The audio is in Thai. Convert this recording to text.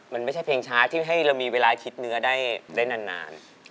มันไม่ใช่เพลงช้าที่ให้เรามีเวลาคิดเนื้อได้นาน